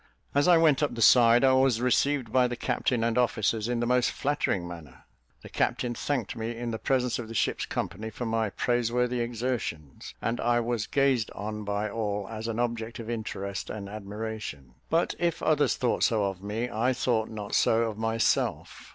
As I went up the side, I was received by the captain and officers in the most flattering manner; the captain thanked me in the presence of the ship's company for my praiseworthy exertions, and I was gazed on by all as an object of interest and admiration; but if others thought so of me, I thought not so of myself.